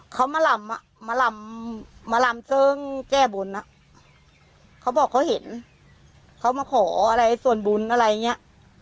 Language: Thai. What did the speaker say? เขามาลำเซิงแก้บุญเขาบอกเขาเห็นเขามาขอส่วนบุญอะไรอย่างนี้